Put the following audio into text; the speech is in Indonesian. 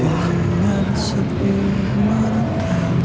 tidak ada duka yang abadi